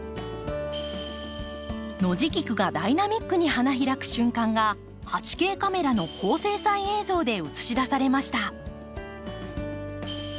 ノジギクがダイナミックに花開く瞬間が８Ｋカメラの高精細映像で映し出されました。